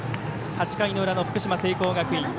８回の裏の福島・聖光学院。